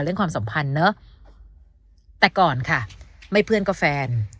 ความสัมพันธ์เนอะแต่ก่อนค่ะไม่เพื่อนก็แฟน